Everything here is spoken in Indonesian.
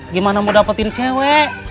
gimana mau dapetin cewek